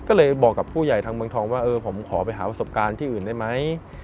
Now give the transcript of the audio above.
ก็เลยบอกกับผู้ใหญ่ทางเมืองทองว่าเออผมขอไปหาประสบการณ์ที่อื่นได้ไหม